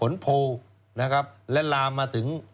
และลามมาถึง